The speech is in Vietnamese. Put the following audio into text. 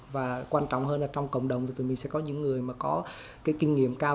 và quan trọng hơn là trong cộng đồng thì tụi mình sẽ có những người mà có cái kinh nghiệm cao